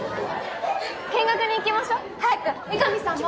見学に行きましょう早く美神さんも。